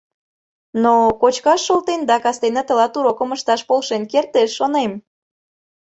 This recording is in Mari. Но кочкаш шолтен да кастене тылат урокым ышташ полшен кертеш, шонем.